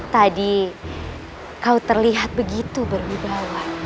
tadi kau terlihat begitu berwibawa